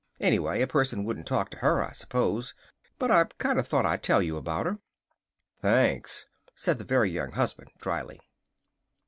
Anyway, a person wouldn't talk to her, I suppose. But I kind of thought I'd tell you about her. "Thanks!" said the Very Young Husband dryly.